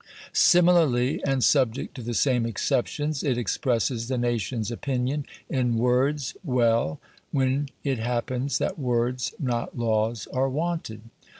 Similarly, and subject to the same exceptions, it expresses the nation's opinion in words well, when it happens that words, not laws, are wanted.